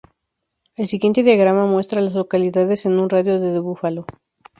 El siguiente diagrama muestra a las localidades en un radio de de Buffalo.